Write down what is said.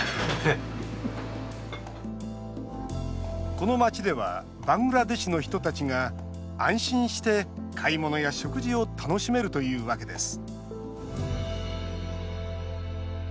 この街ではバングラデシュの人たちが安心して買い物や食事を楽しめるというわけです。